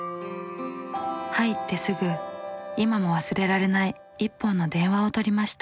入ってすぐ今も忘れられない一本の電話を取りました。